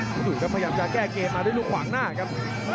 ดูครับพยายามจะแก้เกมมาด้วยลูกขวางหน้าครับ